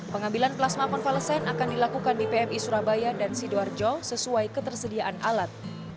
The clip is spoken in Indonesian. pengambilan plasma konvalesen akan dilakukan di pmi surabaya dan sidoarjo sesuai ketersediaan alat